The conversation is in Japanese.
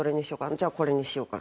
じゃあこれにしようかな。